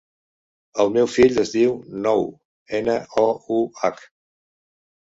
El meu fill es diu Nouh: ena, o, u, hac.